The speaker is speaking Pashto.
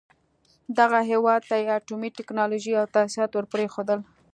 دغه هېواد ته يې اټومي ټکنالوژۍ او تاسيسات ور پرېښول.